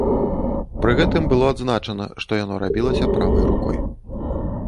Пры гэтым было адзначана, што яно рабілася правай рукой.